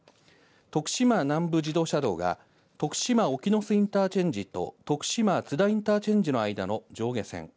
徳島南部自動車道が徳島沖洲インターチェンジと徳島津田インターチェンジの間の上下線。